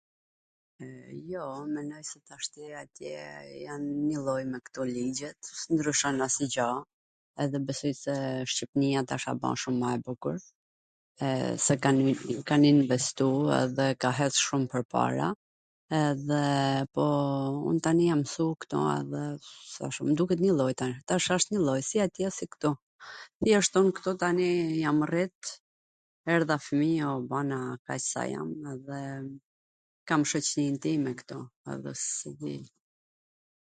Jo, un mendoj se tashti atje jan njwlloj me ktu ligjet, nuk ndryshon asnjw gjo, edhe besoj se Shqipnia tash a ba shum ma e bukur, e se kan investu edhe ka ec shum pwrpara, edhe po... un tani jam msu ktu edhe thash mw duket njwlloj, tash wsht njw lloj si atje si ktu, gjithashtu un ktu tani jam rrit, erdha fmij u bana kaq sa jam edhe kam shoqnin time ktu, po s e di...